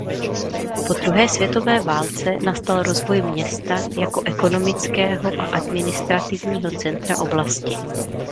Po druhé světové válce nastal rozvoj města jako ekonomického a administrativního centra oblasti.